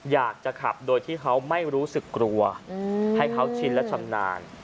อยากจะขับโดยที่เขาไม่รู้สึกกลัวให้เขาชินและชำนาญ